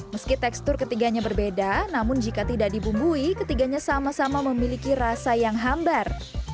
meski tekstur ketiganya berbeda namun jika tidak dibumbui ketiganya sama sama memiliki rasa yang hambar